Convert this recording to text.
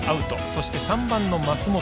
そして３番の松本。